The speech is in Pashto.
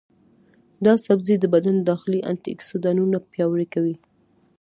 دا سبزی د بدن داخلي انټياکسیدانونه پیاوړي کوي.